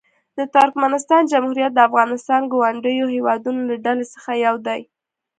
د ترکمنستان جمهوریت د افغانستان ګاونډیو هېوادونو له ډلې څخه یو دی.